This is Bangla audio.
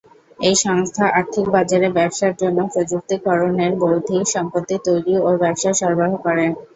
এই সংস্থা আর্থিক বাজারে ব্যবসার জন্য প্রযুক্তি করণের বৌদ্ধিক সম্পত্তি তৈরি ও ব্যবসার সরবরাহ করে।